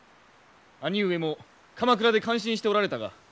兄上も鎌倉で感心しておられたが。